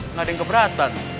nggak ada yang keberatan